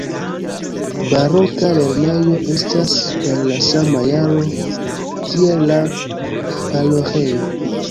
Baroka lernejo estas el la sama jaro kiel la paroĥejo.